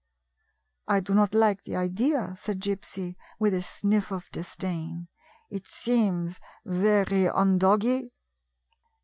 " I do not like the idea/' said Gypsy, with a sniff of disdain. " It seems very undoggy."